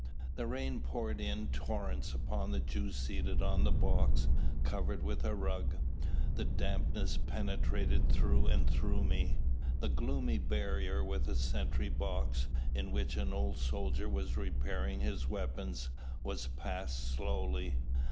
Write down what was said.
The rain poured in torrents upon the Jew seated on the box, covered with a rug. The dampness penetrated through and through me. The gloomy barrier with a sentry box, in which an old soldier was repairing his weapons, was passed slowly.